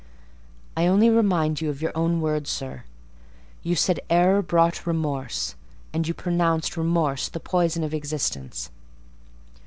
"I only remind you of your own words, sir: you said error brought remorse, and you pronounced remorse the poison of existence."